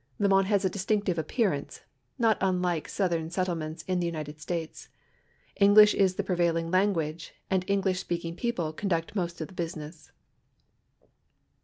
Limon has a distinctive appearance, not un like southern settlements in the United States. English is the prevailing language, and English speaking people conduct most of the business.